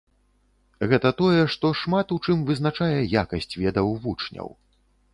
Гэта тое, што шмат у чым вызначае якасць ведаў вучняў.